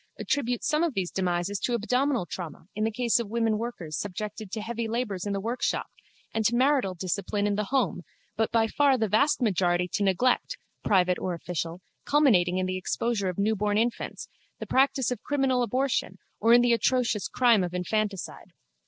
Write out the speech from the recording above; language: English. attributes some of these demises to abdominal trauma in the case of women workers subjected to heavy labours in the workshop and to marital discipline in the home but by far the vast majority to neglect, private or official, culminating in the exposure of newborn infants, the practice of criminal abortion or in the atrocious crime of infanticide.